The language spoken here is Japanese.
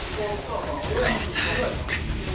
帰りたい。